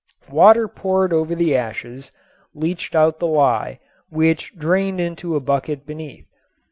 Water poured over the ashes leached out the lye, which drained into a bucket beneath.